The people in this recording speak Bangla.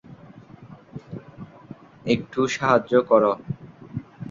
একটু সাহায্য কর।